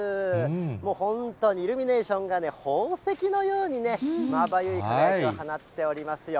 もう本当に、イルミネーションが宝石のようにまばゆい輝きを放っておりますよ。